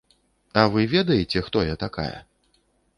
А вы ведаеце, хто я такая?